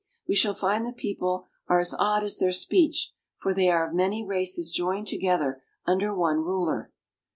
We shall find the people are as odd as their speech, for they are of many races joined together under one ruler.